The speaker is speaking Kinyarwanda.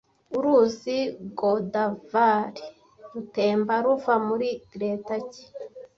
Uruzi Godavari rutemba ruva muri leta ki